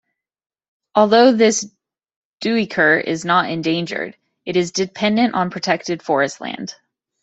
Although this duiker is not endangered, it is dependent on protected forestland.